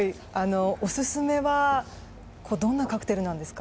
おすすめはどんなカクテルですか？